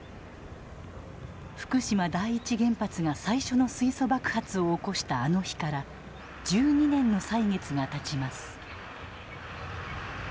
福島第一原発が最初の水素爆発を起こしたあの日から１２年の歳月がたちます。